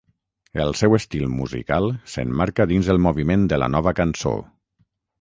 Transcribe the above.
El seu estil musical s'emmarca dins el moviment de la Nova Cançó.